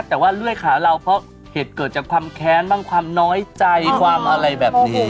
แต่ว่าเลื่อยขาเราเพราะเหตุเกิดจากความแค้นบ้างความน้อยใจความอะไรแบบนี้